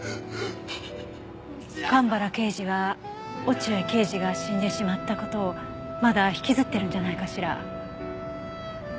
蒲原刑事は落合刑事が死んでしまった事をまだ引きずってるんじゃないかしら？